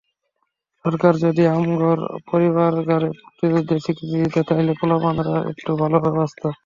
সরকার যদি আমগর পরিবারগরে মুক্তিযুদ্ধের স্বীকৃতি দিত, তাইলে পোলাপানরা এট্টু ভালোভাবে বাঁচত।